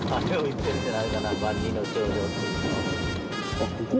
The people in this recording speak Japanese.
あっここ？